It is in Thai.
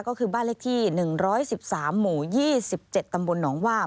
ก็คือบ้านเลขที่๑๑๓หมู่๒๗ตำบลหนองว่า